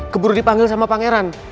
keburu dipanggil sama pangeran